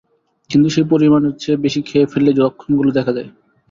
কিন্তু সেই পরিমাণের চেয়ে বেশি খেয়ে ফেললেই লক্ষণগুলো দেখা দেয়।